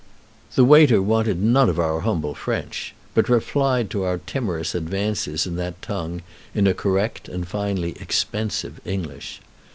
The waiter wanted none of our humble French, but replied to our timorous advances in that tongue in a correct and finally expensive English.